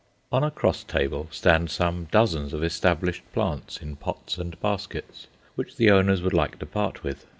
On a cross table stand some dozens of "established" plants in pots and baskets, which the owners would like to part with.